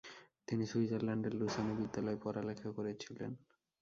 তিনি সুইজারল্যান্ডের লুসানে বিদ্যালয়ে পড়ালেখা করেছিলেন।